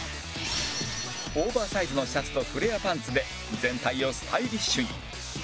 オーバーサイズのシャツとフレアパンツで全体をスタイリッシュに